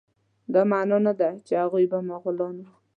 دا معنی نه ده چې هغوی به مغول وه.